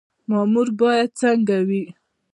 مامور باید څنګه وي؟